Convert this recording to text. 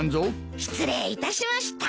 失礼いたしました。